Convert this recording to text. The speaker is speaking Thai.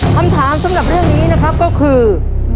คำถามสำหรับเรื่องนี้นะครับก็คือ